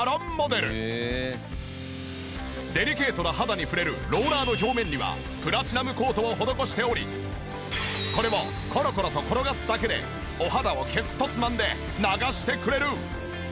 デリケートな肌に触れるローラーの表面にはプラチナムコートを施しておりこれをコロコロと転がすだけでお肌をキュッとつまんで流してくれる。